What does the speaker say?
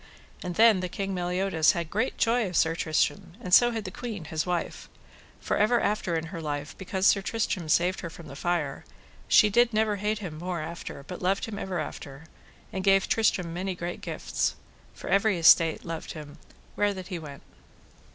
And then the King Meliodas had great joy of Sir Tristram, and so had the queen, his wife. For ever after in her life, because Sir Tristram saved her from the fire, she did never hate him more after, but loved him ever after, and gave Tristram many great gifts; for every estate loved him, where that he went.